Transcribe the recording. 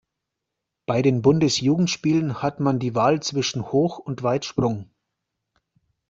Bei den Bundesjugendspielen hat man die Wahl zwischen Hoch- und Weitsprung.